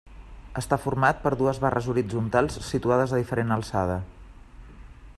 Està format per dues barres horitzontals situades a diferent alçada.